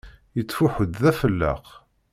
Yettfuḥu-d d afelleq.